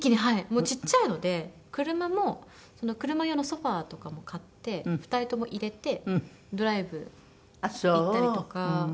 もうちっちゃいので車も車用のソファとかも買って２人とも入れてドライブ行ったりとか。